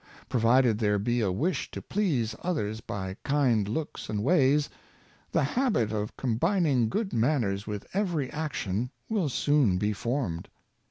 Provided there be a wish to please others by kind looks and ways, the habit of combining good manners with every action will soon be formed.